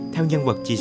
theo nhân vật chi tiết